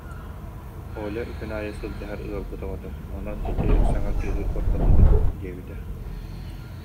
Оля күн аайы сылдьыһар ыалбыт оҕото, онон ити саҥа кыыһы уорбалыыбын диэбитэ